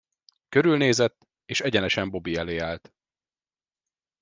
Körülnézett, és egyenesen Bobby elé állt.